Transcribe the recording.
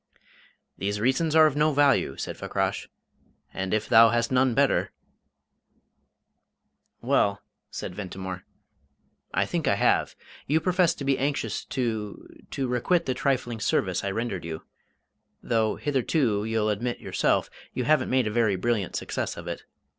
"These reasons are of no value," said Fakrash, "and if thou hast none better " "Well," said Ventimore, "I think I have. You profess to be anxious to to requite the trifling service I rendered you, though hitherto, you'll admit yourself, you haven't made a very brilliant success of it.